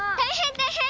たいへん！